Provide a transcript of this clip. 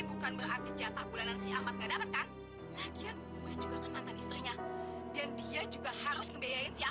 uang yang aku bawa pulang juga udah lebih dari cukup